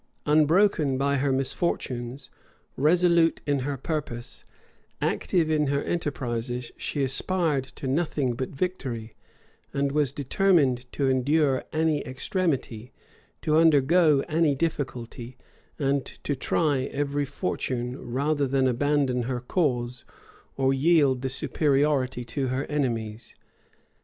Unbroken by her misfortunes, resolute in her purpose, active in her enterprises, she aspired to nothing but victory; and was determined to endure any extremity, to undergo any difficulty, and to try every fortune, rather than abandon her cause, or yield the superiority to her enemies.